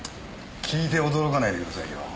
聞いて驚かないでくださいよ。